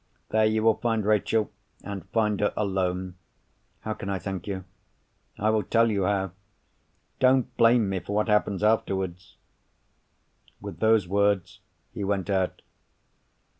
There, you will find Rachel—and find her, alone." "How can I thank you!" "I will tell you how. Don't blame me for what happens afterwards." With those words, he went out.